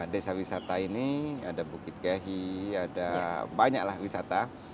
desa wisata ini ada bukit gahi ada banyak lah wisata